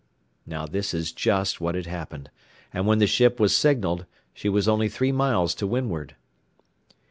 Now this is just what had happened, and when the ship was signalled she was only three miles to windward.